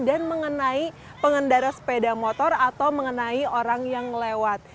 dan mengenai pengendara sepeda motor atau mengenai orang yang lewat